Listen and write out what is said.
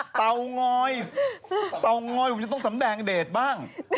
เต๋อง้อยผมจะต้องแสนแดงเดทบ้าง